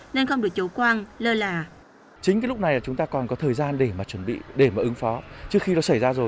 nên không được chủ quan lơ là